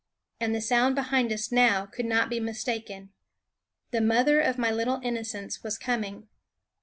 And the sound behind us now could not be mistaken. The mother of my little innocents was coming.